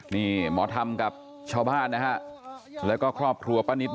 นี่หมอทำกับเช้าบ้านนะฮะและก็ครอบครัวปะนิดด้วย